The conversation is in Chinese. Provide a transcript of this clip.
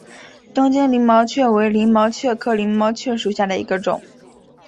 东京鳞毛蕨为鳞毛蕨科鳞毛蕨属下的一个种。